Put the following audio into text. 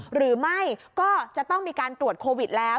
หรือไม่ก็จะต้องมีการตรวจโควิดแล้ว